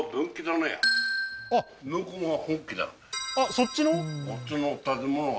そっちの？